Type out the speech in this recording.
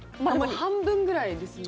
半分ぐらいですね。